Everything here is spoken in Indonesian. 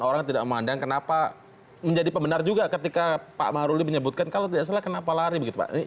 orang tidak memandang kenapa menjadi pembenar juga ketika pak maruli menyebutkan kalau tidak salah kenapa lari begitu pak